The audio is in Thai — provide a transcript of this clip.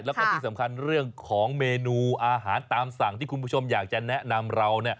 แล้วก็ที่สำคัญเรื่องของเมนูอาหารตามสั่งที่คุณผู้ชมอยากจะแนะนำเรา